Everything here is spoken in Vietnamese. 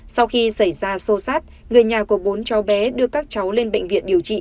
sau khi xảy ra xô xát người nhà của bốn cháu bé đưa các cháu lên bệnh viện điều trị